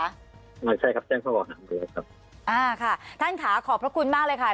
ใช่ครับแจ้งข้อบอกหนักเลยครับอ่าค่ะท่านค่ะขอบพระคุณมากเลยค่ะ